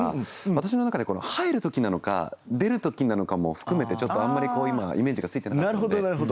私の中で入る時なのか出る時なのかも含めてちょっとあんまり今イメージがついてなかったんで。